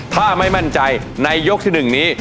ถ้าไม่มั่นใจในยกที่๑นี้